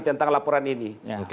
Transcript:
tentang laporan ini